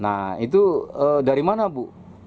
nah itu dari mana bu